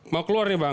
mau keluar nih bang